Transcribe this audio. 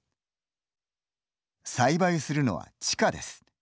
栽培するのは地下です。